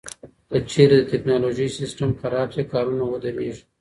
که چیرې د ټکنالوژۍ سیستم خراب شي، کارونه ودریږي.